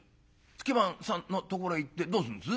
「月番さんのところへ行ってどうすんです？」。